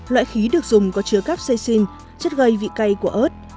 loại khí được dùng có chứa capsaicin chất gây vị cay của ớt